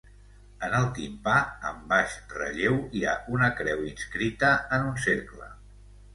En el timpà, en baix relleu, hi ha una creu inscrita en un cercle.